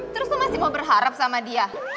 terus lo masih mau berharap sama dia